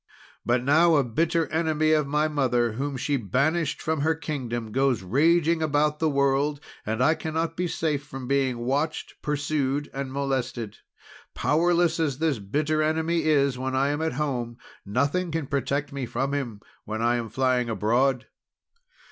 But now a bitter enemy of my mother, whom she banished from her Kingdom, goes raging about the world; and I cannot be safe from being watched, pursued, and molested. Powerless as this bitter enemy is when I am at home, nothing can protect me from him, when I am flying abroad."